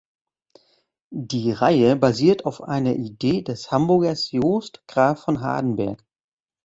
Die Reihe basiert auf einer Idee des Hamburgers Jost Graf von Hardenberg.